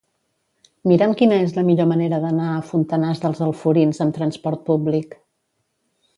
Mira'm quina és la millor manera d'anar a Fontanars dels Alforins amb transport públic.